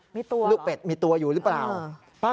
มีตัวเหรอมีตัวอยู่หรือเปล่าลูกเป็ดมีตัวอยู่หรือเปล่า